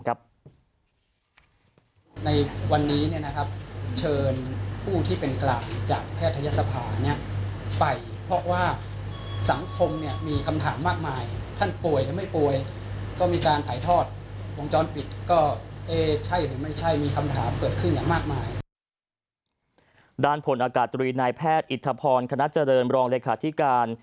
ด้านผลอากาศตรีในแพทย์อิทธพรณ์คณะเจริญรองเรศคาธิการ